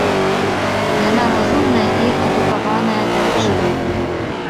Яна разумная і адукаваная дзяўчына.